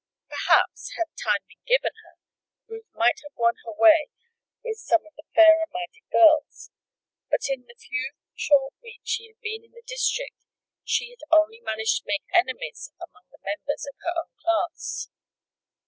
Perhaps, had time been given her, Ruth might have won her way with some of the fairer minded girls; but in the few short weeks she had been in the district she had only managed to make enemies among the members of her own class.